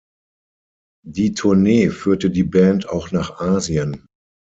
Die Tournee führte die Band auch nach Asien.